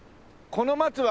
この松は。